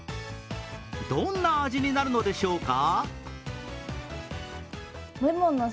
どんな味になるのでしょうか？